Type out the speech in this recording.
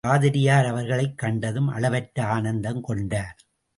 பாதிரியார் அவர்களைக் கண்டதும் அளவற்ற ஆனந்தங்கொண்டார்.